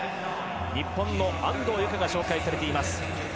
日本の安藤友香が紹介されています。